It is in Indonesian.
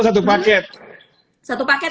satu paket apa ya